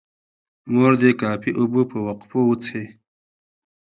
مور دې کافي اوبه په وقفو وڅښي.